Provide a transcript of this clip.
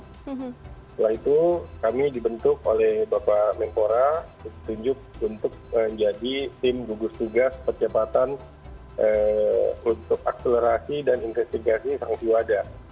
setelah itu kami dibentuk oleh bapak menpora ditunjuk untuk menjadi tim gugus tugas percepatan untuk akselerasi dan investigasi sanksi wadah